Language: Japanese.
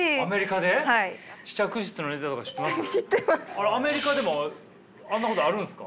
あれアメリカでもあんなことあるんですか？